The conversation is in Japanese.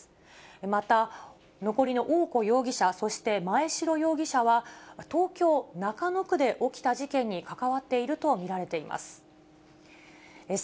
また、残りの大古容疑者、そして真栄城容疑者は、東京・中野区で起きた事件に関わっていると見られています。